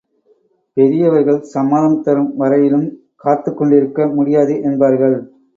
பெரியவர்கள் சம்மதம் தரும் வரையிலும் காத்துக்கொண்டிருக்க முடியாது என்பார்கள்.